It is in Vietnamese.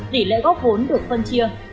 tỷ lệ góp vốn được phân chia